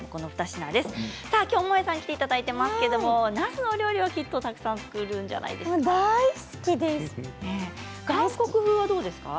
今日、もえさん来ていただいていますがなすのお料理はきっとたくさん作るんじゃないですか？